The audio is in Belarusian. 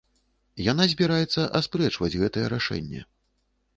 Яна збіраецца аспрэчваць гэтае рашэнне.